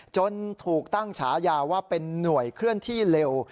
จนถูกตั้งฉายาว่าเป็นหน่วยเคลื่อนที่เร็ว